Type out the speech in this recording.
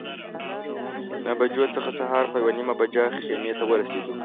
نهه بجو څخه سهار په یوه نیمه بجه خیمې ته ورسېدو.